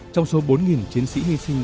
trong số bốn chiến sĩ hy sinh